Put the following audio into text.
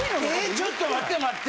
ちょっと待って待って！